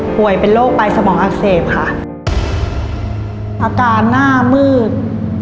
ป่วยเป็นโรคปลายสมองอักเสบค่ะอาการหน้ามืด